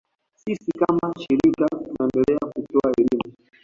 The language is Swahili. Sisi kama shirika tunaendelea kutoa elimu